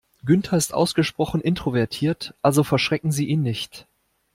Günther ist ausgesprochen introvertiert, also verschrecken Sie ihn nicht.